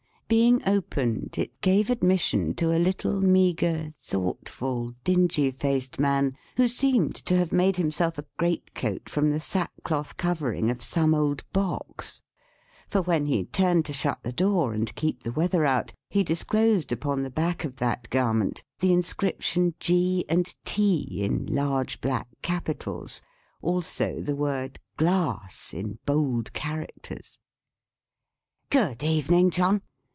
Being opened, it gave admission to a little, meagre, thoughtful, dingy faced man, who seemed to have made himself a great coat from the sack cloth covering of some old box; for when he turned to shut the door, and keep the weather out, he disclosed upon the back of that garment, the inscription G & T in large black capitals. Also the word GLASS in bold characters. "Good evening John!"